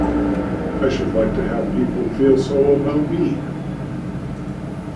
I should like to have people feel so about me.